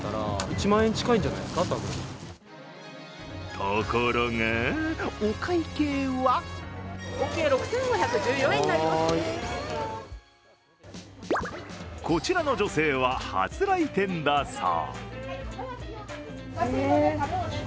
ところがお会計はこちらの女性は初来店だそう。